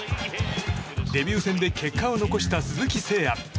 デビュー戦で結果を残した鈴木誠也。